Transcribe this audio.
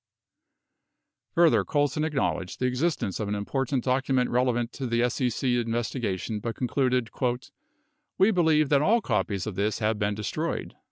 58 Further, Colson acknowledged the existence of an important docu ment relevant to the SEC investigation but concluded : "We believe that all copies of this have been destroyed